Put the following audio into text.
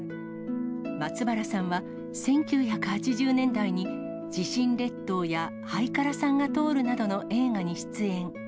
松原さんは、１９８０年代に地震列島やはいからさんが通るなどの映画に出演。